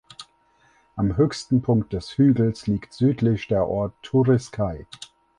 Am höchsten Punkt des Hügels liegt südlich der Ort Turiscai.